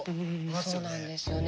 そうなんですよね。